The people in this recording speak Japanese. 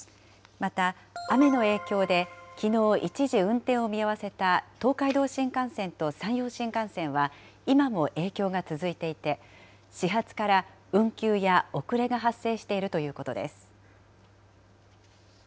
また、雨の影響できのう一時運転を見合わせた東海道新幹線と山陽新幹線は、今も影響が続いていて、始発から運休や遅れが発生しているということです。